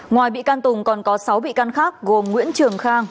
ngoài bị can tùng còn có sáu bị can khác gồm nguyễn trường khang